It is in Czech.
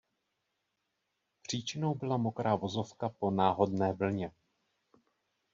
Příčinou byla mokrá vozovka po náhodné vlně.